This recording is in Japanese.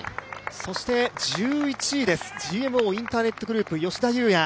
そして１１位、ＧＭＯインターネットグループ、吉田祐也。